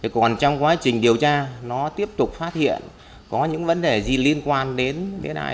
còn trong quá trình điều tra nó tiếp tục phát hiện có những vấn đề gì liên quan đến cái này